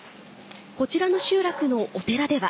こちらの集落のお寺では。